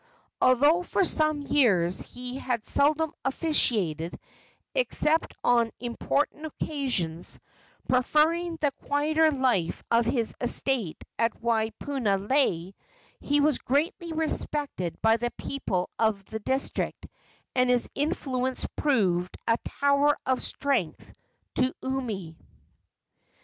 Although for some years he had seldom officiated, except on important occasions preferring the quieter life of his estate at Waipunalei he was greatly respected by the people of the district, and his influence proved a tower of strength to Umi.